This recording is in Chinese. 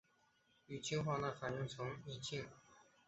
与氰化氢反应生成乙腈。